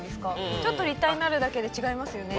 ちょっと立体になるだけで違いますよね。